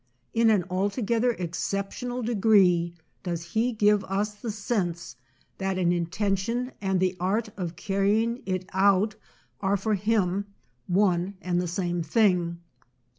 In an altogether exceptional de gree does he give us the sense that an in tention and the art of carrying it out are for him one and the same thing.